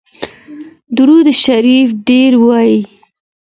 درود شریف ډیر ووایئ.